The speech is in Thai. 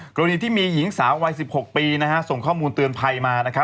กรณีที่มีหญิงสาววัย๑๖ปีส่งข้อมูลเตือนภัยมา